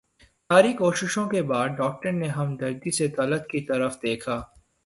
ساری کوششوں کے بعد ڈاکٹر نے ہمدردی سے طلعت کی طرف دیکھا